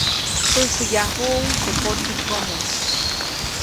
Täjkäyajuʼuŋ teʼ kotsäjkomo.